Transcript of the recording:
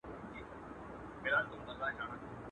جهاني له دې وطنه یوه ورځ کډي باریږي.